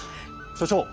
所長